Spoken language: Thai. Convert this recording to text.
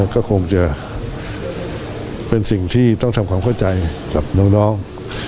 ก็คงจะเป็นสิ่งที่ต้องทำความเข้าใจกับน้อง